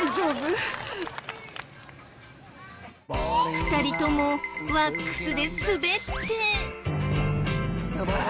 ２人ともワックスで滑って。